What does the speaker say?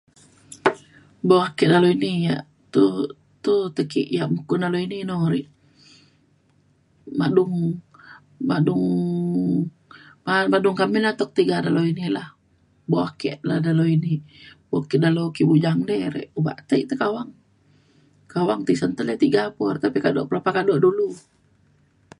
buk ake dalau ini yak tu tu te ke ia [unintelligible] dalau ini ri madung madung madung kak amin atek tiga dalau ini lah. buk ake le dalau ini buk ke dalau ke bujang de ri obak tai ke awang. kawang tisen te le tiga po re tapi kado kado pelapah dulu